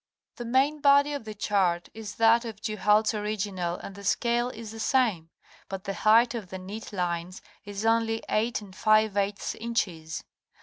The main body of the chart is that of Du Halde's original and the scale is the same, but the height of the neat lines is only 8% inches.